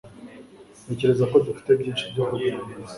Ntekereza ko dufite byinshi byo kuganira